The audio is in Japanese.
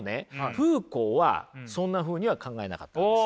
フーコーはそんなふうには考えなかったんです。